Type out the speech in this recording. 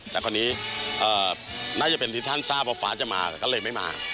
แต่คราวนี้น่าจะเป็นที่ท่านทราบว่าฟ้าจะมาแต่ก็เลยไม่มา